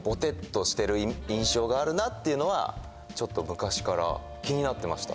があるなっていうのはちょっと昔から気になってました。